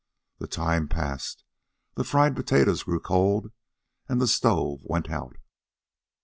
The time passed. The fried potatoes grew cold, and the stove went out.